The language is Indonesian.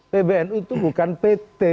pbnu itu bukan pt